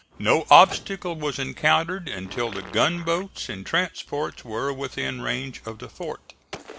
No obstacle was encountered until the gunboats and transports were within range of the fort.